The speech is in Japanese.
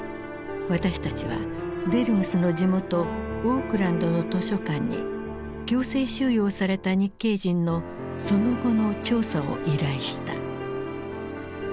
私たちはデルムスの地元オークランドの図書館に強制収容された日系人のその後の調査を依頼した。